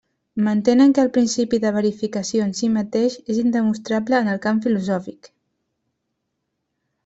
Mantenen que el principi de verificació en si mateix és indemostrable en el camp filosòfic.